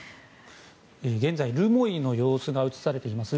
現在、留萌の様子が映し出されています。